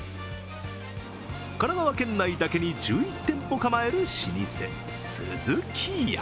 神奈川県内だけに１１店舗構える老舗、スズキヤ。